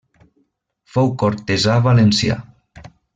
Fou cortesà valencià.